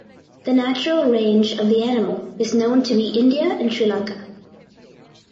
The natural range of the animal is known to be India and Sri Lanka.